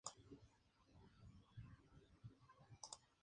En las carreteras: Coches, camiones y autobuses.